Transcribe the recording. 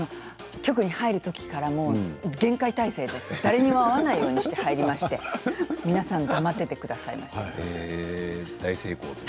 局に入るところから厳戒態勢で誰にも会わないようにして入りまして皆さんが待っていてくださいました。